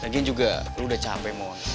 lagian juga lo udah capek moa